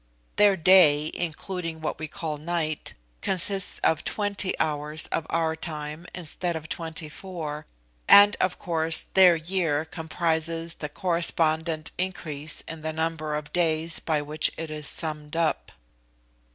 Their day, (including what we call night) consists of twenty hours of our time, instead of twenty four, and of course their year comprises the correspondent increase in the number of days by which it is summed up.